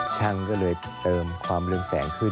ช่างก็เลยเติมความเรืองแสงขึ้น